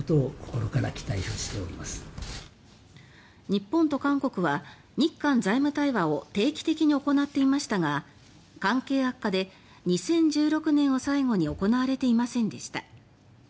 日本と韓国は「日韓財務対話」を定期的に行っていましたが関係悪化で２０１６年を最後に行われていませんでした。